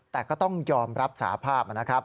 แต่ก็ต้องยอมรับสาภาพนะครับ